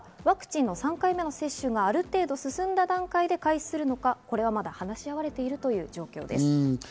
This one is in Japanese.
ワクチンの３回目の接種がある程度進んだ段階で開始するのか、これはまだ話し合われているという状況です。